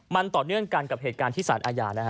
มันต่อเนื่องกันกับเหตุการณ์ที่สารอาญานะฮะ